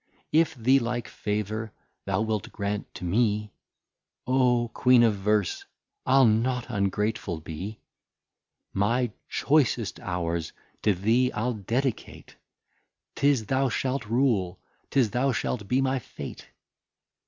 If the like favour thou wilt grant to me, O Queen of Verse, I'll not ungrateful be, My choicest hours to thee I'll Dedicate, 'Tis thou shalt rule, 'tis thou shalt be my Fate.